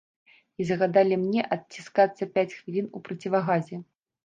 І загадалі мне адціскацца пяць хвілін у процівагазе.